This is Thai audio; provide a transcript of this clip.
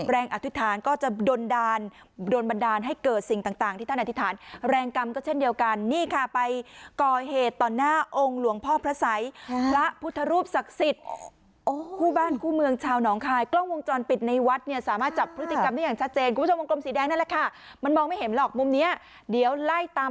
แรงอธิษฐานก็จะโดนด่านโดนบันดาลให้เกิดสิ่งต่างที่ท่านอธิษฐานแรงกรรมก็เช่นเดียวกันนี่ค่ะไปก่อเหตุต่อหน้าองค์หลวงพ่อพระสัยพระพุทธรูปศักดิ์สิตคู่บ้านคู่เมืองชาวหนองคายกล้องวงจรปิดในวัดเนี่ยสามารถจับพฤติกรรมนี้อย่างชัดเจนคุณผู้ชมวงกรมสีแดงนั่นแหละค่ะม